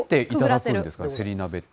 せり鍋って。